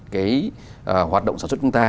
cái hoạt động sản xuất chúng ta